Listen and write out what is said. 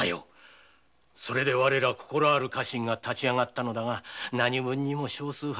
それでわれら心ある家臣が立ち上がったがなにしろ少数派。